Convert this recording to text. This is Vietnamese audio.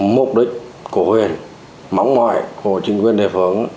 mục đích của huyền móng ngoại của chính quyền địa phương